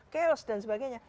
chaos dan sebagainya